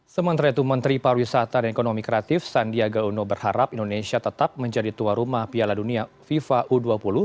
sementara itu menteri pariwisata dan ekonomi kreatif sandiaga uno berharap indonesia tetap menjadi tua rumah piala dunia fifa u dua puluh